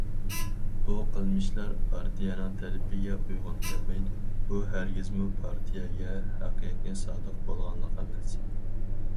بۇ قىلمىشلار پارتىيەنىڭ تەلىپىگە ئۇيغۇن كەلمەيدۇ، بۇ ھەرگىزمۇ پارتىيەگە ھەقىقىي سادىق بولغانلىق ئەمەس.